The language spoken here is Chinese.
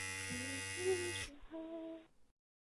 这一事件激起了众怒。